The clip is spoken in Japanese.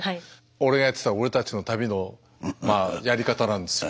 俺がやってた「俺たちの旅」のやり方なんですよ。